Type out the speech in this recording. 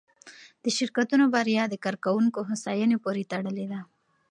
د شرکتونو بریا د کارکوونکو هوساینې پورې تړلې ده.